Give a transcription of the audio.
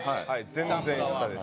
全然下です。